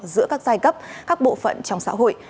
giữa các giai cấp các bộ phận trong xã hội